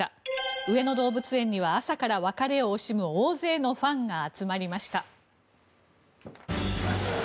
上野動物園には朝から別れを惜しむ大勢のファンが集まりました。